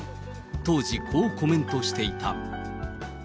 当時、こうコメントしていた。